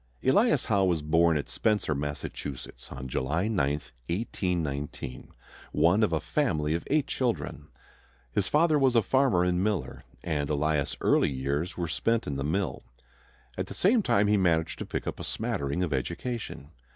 Elias Howe was born at Spencer, Massachusetts, on July 9, 1819, one of a family of eight children. His father was a farmer and miller, and Elias' early years were spent in the mill. At the same time he managed to pick up a smattering of education.